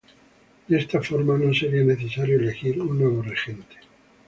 De esta forma no sería necesario elegir un nuevo regente.